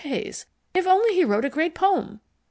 Hays, if only he wrote a great poem?